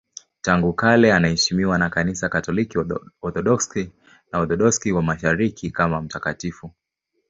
Tangu kale anaheshimiwa na Kanisa Katoliki, Waorthodoksi na Waorthodoksi wa Mashariki kama mtakatifu.